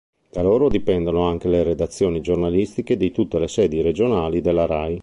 Da loro dipendono anche le redazioni giornalistiche di tutte le sedi regionali della Rai.